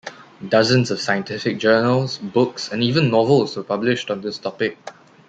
Dozens of scientific journals, books, and even novels were published on this topic.